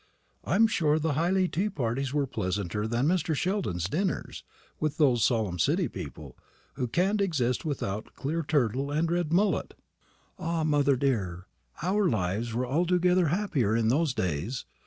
I'm sure the Hyley tea parties were pleasanter than Mr. Sheldon's dinners, with those solemn City people, who can't exist without clear turtle and red mullet." "Ah, mother dear, our lives were altogether happier in those days.